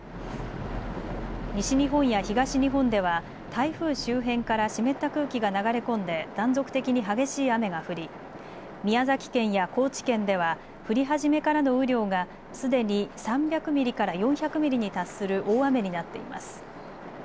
西日本や東日本では台風周辺から湿った空気が流れ込んで断続的に激しい雨が降り宮崎県や高知県では降り始めからの雨量がすでに３００ミリから４００ミリに達する大雨になっています。